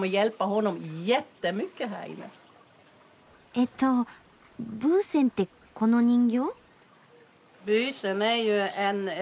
えっとブーセンってこの人形？